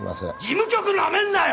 事務局なめんなよ！